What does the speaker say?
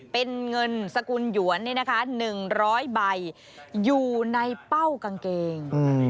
เป็นเงินสกุลหยวน๑๐๐ใบอยู่ในเป้ากางเกง